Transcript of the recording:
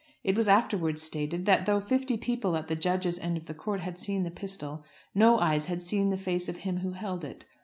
It was afterwards stated, that though fifty people at the judge's end of the court had seen the pistol, no eyes had seen the face of him who held it.